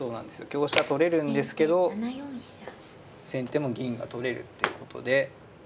香車取れるんですけど先手も銀が取れるっていうことで。